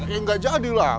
ya nggak jadi lah